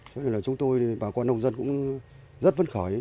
cho nên là chúng tôi và quán nông dân cũng rất vấn khởi